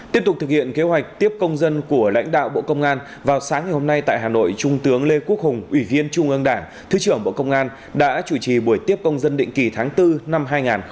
tiếp tục thực hiện kế hoạch tiếp công dân của lãnh đạo bộ công an vào sáng ngày hôm nay tại hà nội trung tướng lê quốc hùng ủy viên trung ương đảng thứ trưởng bộ công an đã chủ trì buổi tiếp công dân định kỳ tháng bốn năm hai nghìn hai mươi bốn